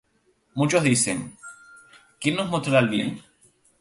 Muchos dicen: ¿Quién nos mostrará el bien?